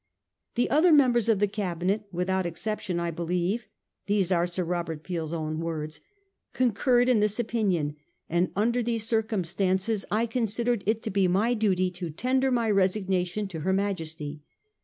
' The other members of the Cabinet, without excep tion, I believe' — these are Sir Robert Peel's own words — 1 concurred in this opinion ; and under these circumstances I considered it to be my duty to tender my resignation to her Majesty.